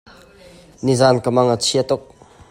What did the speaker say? And how do you think I can help lure him out?